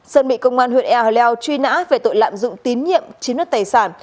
sơn bị công an huyện ea leo truy nã về tội lạm dụng tín nhiệm chiếm đất tài sản